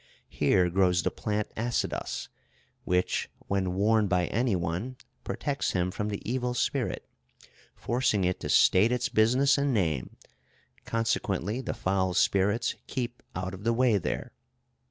Here grows the plant Assidos, which, when worn by any one, protects him from the evil spirit, forcing it to state its business and name; consequently the foul spirits keep out of the way there.